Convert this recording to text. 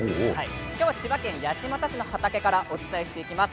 今日は千葉県八街市の畑からお伝えします。